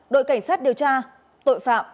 đội cảnh sát điều tra tội phạm về ma túy